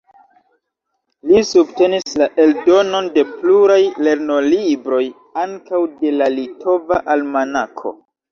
Li subtenis la eldonon de pluraj lernolibroj, ankaŭ de la "Litova Almanako".